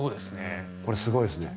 これすごいですね。